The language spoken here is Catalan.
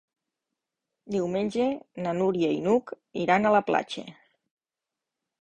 Diumenge na Núria i n'Hug iran a la platja.